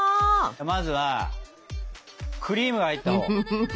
まずはクリームが入ったほう。